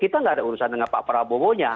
kita nggak ada urusan dengan pak prabowo nya